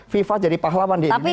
fifa jadi pahlawan di indonesia